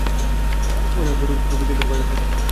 মনে হয় পুরো পৃথিবীকে বাঁচাতে যাচ্ছে।